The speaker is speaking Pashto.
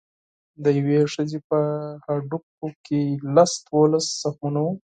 د یوې ښځې په هډوکو کې لس دولس زخمونه وو.